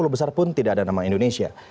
tiga puluh besar pun tidak ada nama indonesia